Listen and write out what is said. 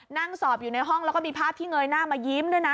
นั่งสอบอยู่ในห้องแล้วก็มีภาพที่เงยหน้ามายิ้มด้วยนะ